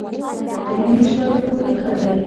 نه مې شوای راپورته کولی.